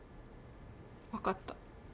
分かった。